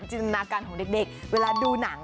จินตนาการของเด็กเวลาดูหนัง